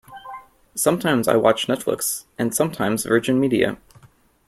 Sometimes I watch Netflix, and sometimes Virgin Media.